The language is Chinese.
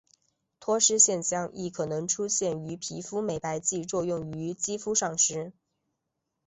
脱失现象亦可能出现于皮肤美白剂作用于肌肤上时。